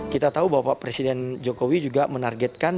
kita tahu bapak presiden jokowi juga menargetkan dua ribu dua puluh empat